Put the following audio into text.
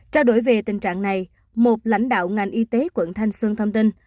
trao đổi về tình trạng này một lãnh đạo ngành y tế quận thanh xuân thông tin